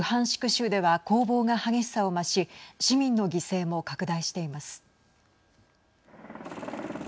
州では攻防が激しさを増し市民の犠牲も拡大しています。